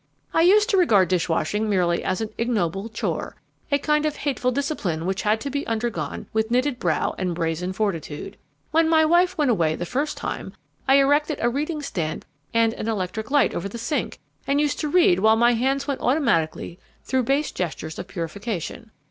"I used to regard dish washing merely as an ignoble chore, a kind of hateful discipline which had to be undergone with knitted brow and brazen fortitude. When my wife went away the first time, I erected a reading stand and an electric light over the sink, and used to read while my hands went automatically through base gestures of purification.